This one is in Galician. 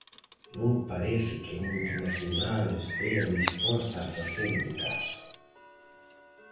Non parece que a multinacional estea disposta a facerlle caso.